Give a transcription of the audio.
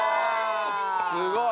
すごい！